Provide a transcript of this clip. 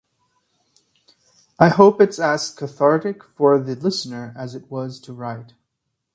I hope it’s as cathartic for the listener as it was to write.